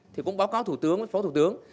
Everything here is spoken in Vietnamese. thì cũng báo cáo thủ tướng phó thủ tướng